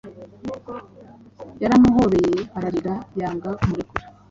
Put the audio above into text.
Yaramuhobeye, ararira, yanga kumurekura